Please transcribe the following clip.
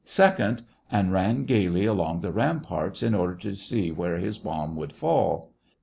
Second !" and ran gayly along the ramparts, in order to see where his bomb would fall.